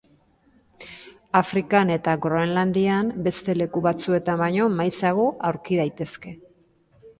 Afrikan eta Groenlandian beste leku batzuetan baino maizago aurki daitezke.